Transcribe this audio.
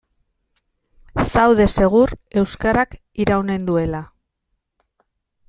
Zaude segur euskarak iraunen duela.